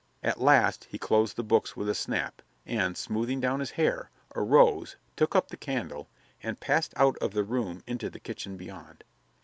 At last he closed the books with a snap and, smoothing down his hair, arose, took up the candle, and passed out of the room into the kitchen beyond.